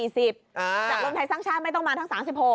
จากรวมไทยสร้างชาติไม่ต้องมาทั้ง๓๖